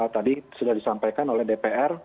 tadi sudah disampaikan oleh dpr